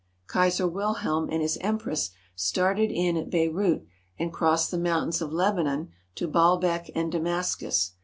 Kaiser Wilhelm and his empress started in at Beirut and crossed the mountains of Lebanon to Baalbek and Damascus.